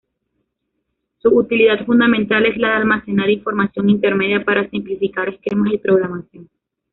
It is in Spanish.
Su utilidad fundamental es la de almacenar información intermedia para simplificar esquemas y programación.